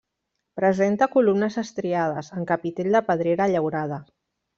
Presenta columnes estriades, amb capitell de pedrera llaurada.